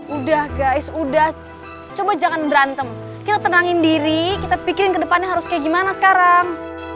udah guys udah coba jangan berantem kita tenangin diri kita pikirin kedepannya harus kayak gimana sekarang